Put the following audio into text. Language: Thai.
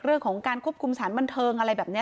เรื่องของการควบคุมสารบันเทิงอะไรแบบนี้